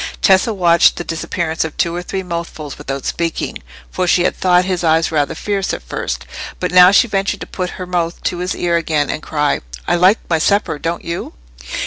Tessa watched the disappearance of two or three mouthfuls without speaking, for she had thought his eyes rather fierce at first; but now she ventured to put her mouth to his ear again and cry— "I like my supper, don't you?"